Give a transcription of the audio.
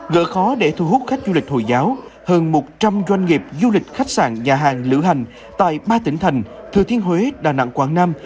gỡ khó để thu hút khách du lịch hồi giáo hơn một trăm linh doanh nghiệp du lịch khách sạn nhà hàng lữ hành tại ba tỉnh thành thừa thiên huế đà nẵng quảng nam